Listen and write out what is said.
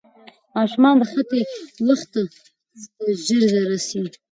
ماشومان د خطي وخت پوهې ته ژر رسي.